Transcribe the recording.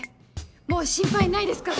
もう心配ないですから。